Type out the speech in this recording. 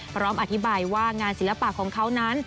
พร้อมอธิบายว่างานศิลปะของเขานั้น